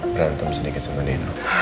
berantem sedikit sama dino